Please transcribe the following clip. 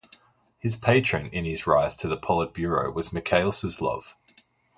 His patron in his rise to the politburo was Mikhail Suslov.